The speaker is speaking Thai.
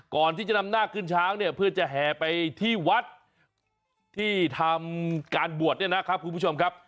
ก่อนที่จะนำนาคขึ้นช้างเนี่ยเพื่อจะแห่ไปที่วัดที่ทำการบวชเนี่ยนะครับคุณผู้ชมครับ